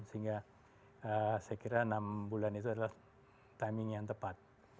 sehingga saya kira enam bulan itu adalah timing yang tepat